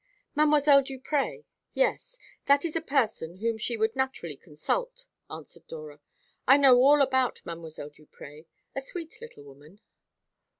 "Mdlle. Duprez; yes, that is a person whom she would naturally consult," answered Dora. "I know all about Mdlle. Duprez, a sweet little woman."